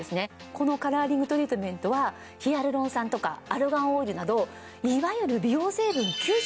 このカラーリングトリートメントはヒアルロン酸とかアルガンオイルなどいわゆる。